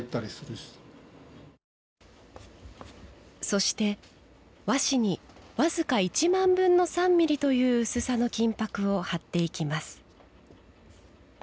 そして和紙にわずか１万分の３ｍｍという薄さの金ぱくを貼っていきます。